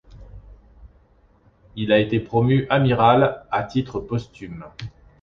Il a été promu amiral, à titre posthume.